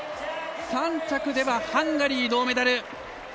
３着ではハンガリー、銅メダル。